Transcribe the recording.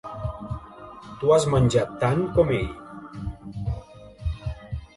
Tu has menjat tant com ell.